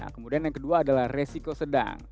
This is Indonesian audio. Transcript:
kemudian yang kedua adalah resiko sedang